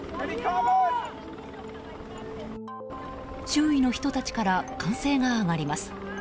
周囲の人たちから歓声が上がります。